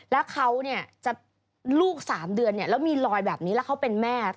แล้วเขาเนี่ยจะลูก๓เดือนแล้วมีรอยแบบนี้แล้วเขาเป็นแม่